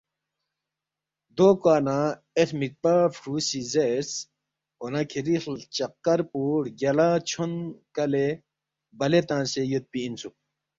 دو کوا نہ اے ہرمِکپا فرُو سی زیرس، ”اون٘ا کِھری ہلچقکر پو رگیالہ چھون کَلے بَلے تنگسے یودپی اِنسُوک